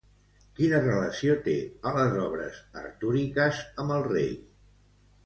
Quina relació té a les obres artúriques amb el rei?